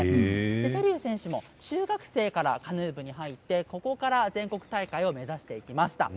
瀬立選手も中学生からカヌー部に入ってここから全国大会を目指していきました。